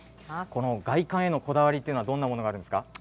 この外観へのこだわりどんなものがあるんですか？